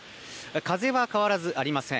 風は変わらずありません。